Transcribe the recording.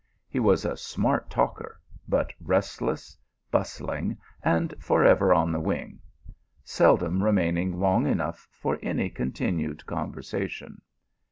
He was a smart talker, but restless, bustling, and for ever on the wing; seldom remaining long enough for any con tinued conversation.